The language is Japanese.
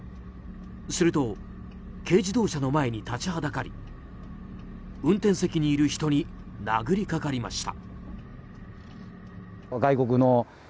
すると軽自動車の前に立ちはだかり運転席にいる人に殴りかかりました。